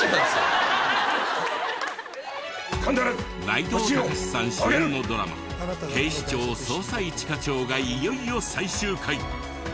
内藤剛志さん主演のドラマ『警視庁・捜査一課長』がいよいよ最終回。